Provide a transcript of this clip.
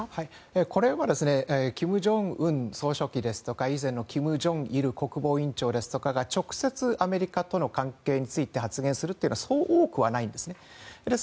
これは金正恩総書記や以前の金正日国防委員長が直接アメリカとの関係について発言するということはそう多くはないんです。